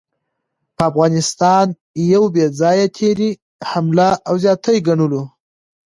په افغانستان يو بې ځايه تېرے، حمله او زياتے ګڼلو